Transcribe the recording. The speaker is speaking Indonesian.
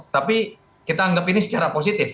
tapi kita anggap ini secara positif